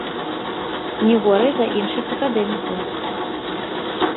Не горай за іншых акадэмікаў.